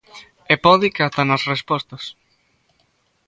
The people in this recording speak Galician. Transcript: E pode que ata nas respostas.